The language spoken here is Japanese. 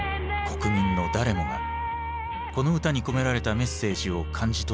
国民の誰もがこの歌に込められたメッセージを感じ取っていた。